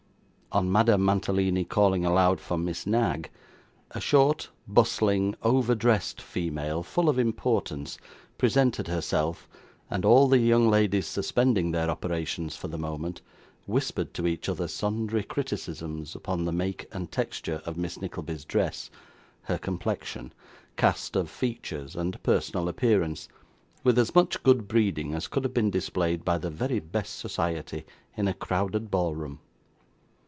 On Madame Mantalini calling aloud for Miss Knag, a short, bustling, over dressed female, full of importance, presented herself, and all the young ladies suspending their operations for the moment, whispered to each other sundry criticisms upon the make and texture of Miss Nickleby's dress, her complexion, cast of features, and personal appearance, with as much good breeding as could have been displayed by the very best society in a crowded ball room.